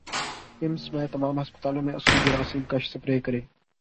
پمز سمیت تمام ھسپتالوں میں اصلی جراثیم کش سپرے کریں